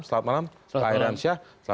selamat malam pak hairansyah